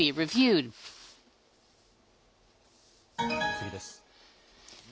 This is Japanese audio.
次です。